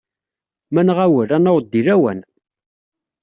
Ma nɣawel, ad naweḍ deg lawan.